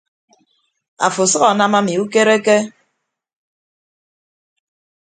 Afo asʌk anam ami ukereke.